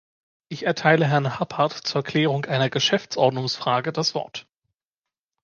Ich erteile Herrn Happart zur Klärung einer Geschäftsordnungsfrage das Wort.